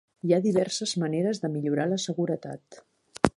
Hi ha diverses maneres de millorar la seguretat.